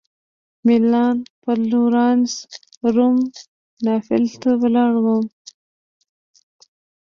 مېلان فلورانس روم ناپلز ته ولاړم.